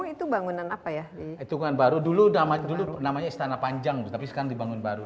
itu bangunan apa ya itu kan baru dulu damai dulu namanya istana panjang tapi sekarang dibangun baru